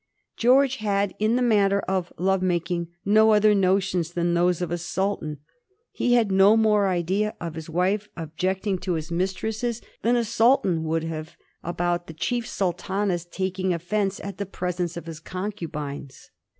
George had, in the matter of love making, no other notions than those of a sultan. He had no more idea of his wife objecting to his mistresses than 1787. GEORQE'S SETTLED BELIEF. n? a sultan would have about tbe chief sultana's taking of fence at the presence of his concubines.